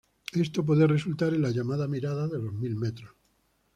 Esto puede resultar en la llamada mirada de los mil metros.